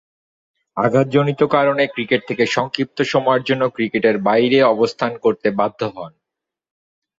আঘাতজনিত কারণে ক্রিকেট থেকে সংক্ষিপ্ত সময়ের জন্য ক্রিকেটের বাইরে অবস্থান করতে বাধ্য হন।